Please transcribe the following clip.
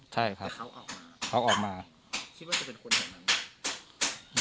ใช่ครับเขาออกมาเขาออกมาคิดว่าจะเป็นคนอย่างนั้น